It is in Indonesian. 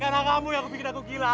karena kamu yang bikin aku gila